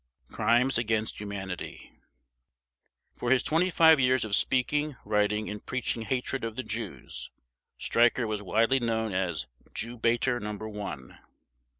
Crimes against Humanity For his 25 years of speaking, writing, and preaching hatred of the Jews, Streicher was widely known as "Jew Baiter Number One".